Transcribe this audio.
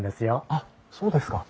あっそうですか。